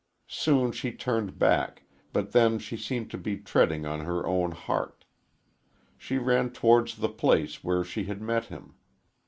Soon she turned back, but then she seemed to be treading on her own heart. She ran towards the place where she had met him.